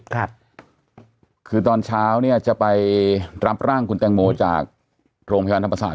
ครับคือตอนเช้าเนี่ยจะไปรับร่างคุณแตงโมจากโรงพยาบาลธรรมศาส